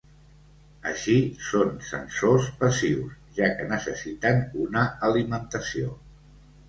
Així, són sensors passius, ja que necessiten una alimentació.